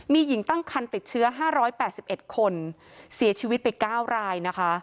มีหญิงตั้งคันติดเชื้อ๕๘๑คนเสียชีวิตไป๙รายนะคะ